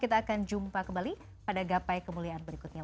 kita akan jumpa kembali pada gapai kemuliaan berikutnya